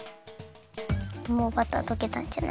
もうバターとけたんじゃない？